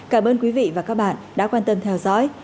cảm ơn quý vị và các bạn đã quan tâm theo dõi